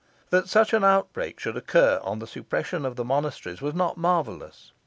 That such an outbreak should occur on the suppression of the monasteries, was not marvellous.